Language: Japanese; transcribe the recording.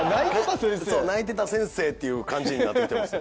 泣いてた先生っていう感じに。